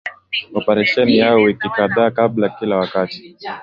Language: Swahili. operesheni yao wiki kadhaa kabla Kila wakati